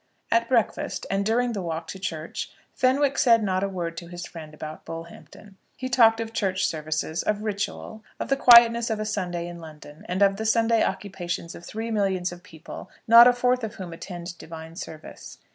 At breakfast, and during the walk to church, Fenwick said not a word to his friend about Bullhampton. He talked of church services, of ritual, of the quietness of a Sunday in London, and of the Sunday occupations of three millions of people not a fourth of whom attend divine service.